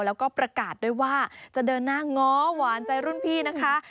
แล้วก็ประกาศด้วยว่าจะเดินหน้าง้อหวานใจรุ่นพี่นะคะ